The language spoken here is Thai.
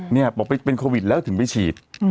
เนี่ยบอกไปเป็นโควิดแล้วถึงไปฉีด